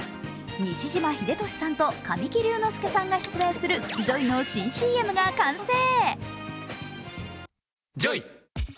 西島秀俊さんと神木隆之介さんが出演するＪＯＹの新ＣＭが完成。